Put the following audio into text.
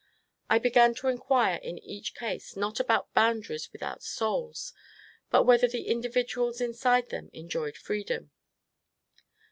I began to inquire in each case not about boundaries without souls, but whether the individuals inside them enjoyed freedom.